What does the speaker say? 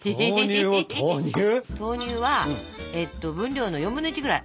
豆乳は分量の４分の１ぐらい。